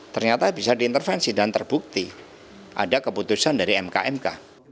ternyata bisa diintervensi dan terbukti ada keputusan dari mkmk